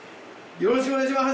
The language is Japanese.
よろしくお願いします！